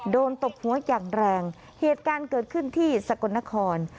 ตบหัวอย่างแรงเหตุการณ์เกิดขึ้นที่สกลนคร